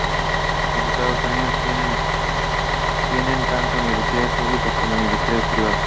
Los Estados Unidos tienen tanto universidades públicas como universidades privadas.